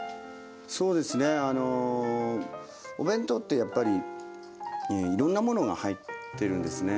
そうですねあのお弁当ってやっぱりいろんなものが入ってるんですね。